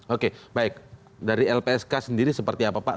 oke baik dari lpsk sendiri seperti apa pak